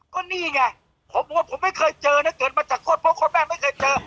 ก็นี่ไงผมบอกว่าผมไม่เคยเจอนะเกิดมาจากก้นเพราะคนแม่ไม่เคยเจอ